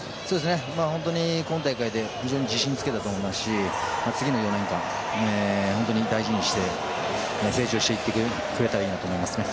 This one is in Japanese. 本当に今大会で非常に自信つけたと思いますし次の４年間本当に大事にして成長してくれたらいいなと思います。